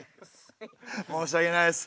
申し訳ないです。